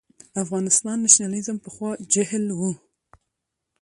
افغان نېشنلېزم پخوا جهل و.